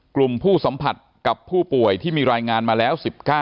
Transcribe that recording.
กลุ่มผู้สัมผัสกับผู้ป่วยที่มีรายงานมาแล้ว๑๙